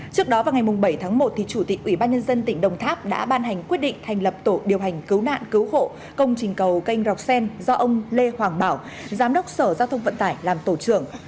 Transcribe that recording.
trước đó vào ngày bảy tháng một chủ tịch ubnd tỉnh đồng tháp đã ban hành quyết định thành lập tổ điều hành cứu nạn cứu hộ công trình cầu canh rọc sen do ông lê hoàng bảo giám đốc sở giao thông vận tải làm tổ trưởng